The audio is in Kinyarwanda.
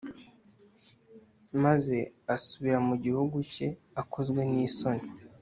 maze asubira mu gihugu cye akozwe n isoni